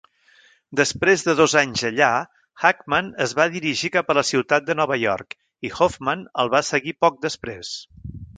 Després de dos anys allà, Hackman es va dirigir cap a la ciutat de Nova York, i Hoffman el va seguir poc després.